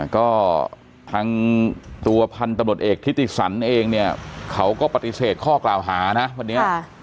ก็ทางตัวพันธบเอกที่ที่สรรเองเค้าก็ปฏิเสร็จข้อกล่าวหานะวันนี้